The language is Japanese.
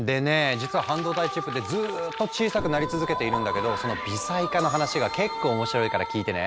実は半導体チップってずっと小さくなり続けているんだけどその「微細化」の話が結構面白いから聞いてね。